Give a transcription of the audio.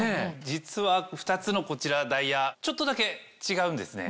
実は２つのこちらダイヤちょっとだけ違うんですね。